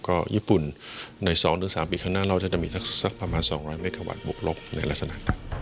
ก็ญี่ปุ่นใน๒๓ปีข้างหน้าเราจะมีสักประมาณ๒๐๐เมกาวัตต์บวกลบในลักษณะนั้น